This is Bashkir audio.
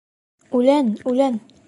— Үлән, үлән!